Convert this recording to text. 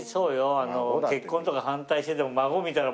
あの結婚とか反対してても孫見たら。